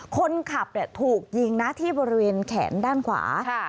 คนขับถูกยิงนะที่บริเวณแขนด้านขวา